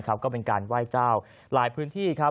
ก็เป็นการไหว้เจ้าหลายพื้นที่ครับ